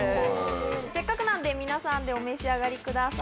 せっかくなんで皆さんでお召し上がりください。